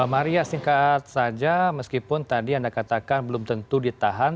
maria singkat saja meskipun tadi anda katakan belum tentu ditahan